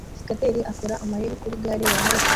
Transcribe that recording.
Skater akora amayeri kuri gari ya moshi